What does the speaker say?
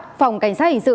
phòng cảnh sát hình sự